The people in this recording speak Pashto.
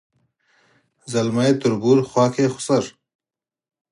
ځلمی تربور خواښې سخر